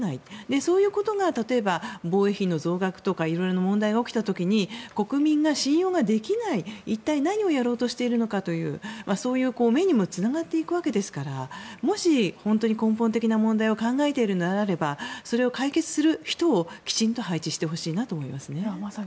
そういうことが例えば、防衛費の増額とか色々問題が起きた時に国民が信用できない一体何をやろうとしているのかというそういう目にもつながっていくわけですからもし、本当に根本的な問題を考えているのであればそれを解決する人をきちんと配置してほしいなと思いますね。